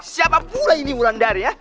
siapa pula ini ulan dari ya